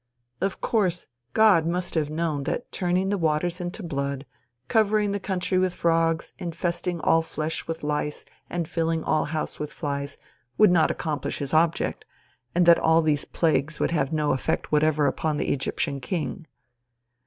Of course God must have known that turning the waters into blood, covering the country with frogs, infesting all flesh with lice, and filling all houses with flies, would not accomplish his object, and that all these plagues would have no effect whatever upon the Egyptian king.